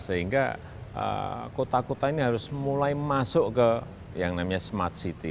sehingga kota kota ini harus mulai masuk ke yang namanya smart city